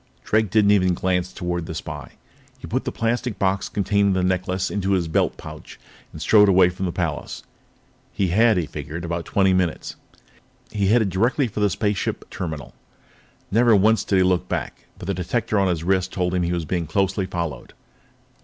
Drake didn't even glance toward the spy. He put the plastic box containing the necklace into his belt pouch and strode away from the palace. He had, he figured, about twenty minutes. He headed directly for the spaceship terminal. Never once did he look back, but the detector on his wrist told him that he was being closely followed.